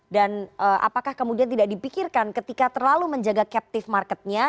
dan apakah kemudian tidak dipikirkan ketika terlalu menjaga captive marketnya